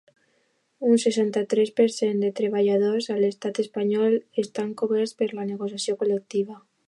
Un setanta-tres per cent de treballadors a l’estat espanyol estan coberts per la negociació col·lectiva.